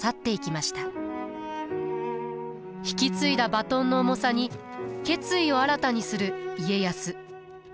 引き継いだバトンの重さに決意を新たにする家康。